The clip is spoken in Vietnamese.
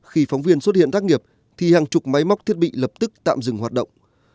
khi phóng viên xuất hiện tác nghiệp thì hàng chục máy móc thiết bị lập tức tạm dừng hoạt động